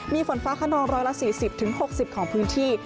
มีฝนฟ้าขนอง๑๔๐๖๐ของพื้นที่